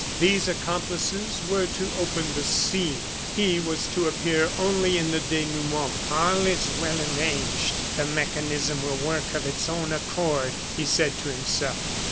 These accomplices were to open the scene; he was to appear only in the denouement. "All is well arranged; the mechanism will work of its own accord," he said to himself.